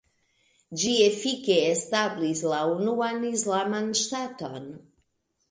Ĝi efike establis la unuan islaman ŝtaton.